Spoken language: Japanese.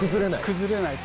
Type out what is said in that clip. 崩れない。